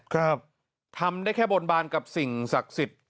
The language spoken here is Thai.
ครับทำได้แค่บนบานกับสิ่งศักดิ์สิทธิ์